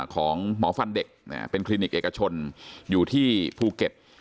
ของหมอฟันเด็กเป็นคลินิกเอกชนอยู่ที่ภูเก็ต